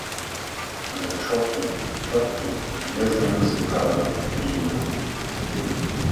А за решеткой четкой железной мысли проводов — перина.